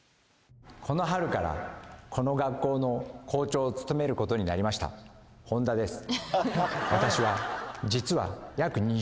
この春からこの学校の校長を務めることになりました本多です。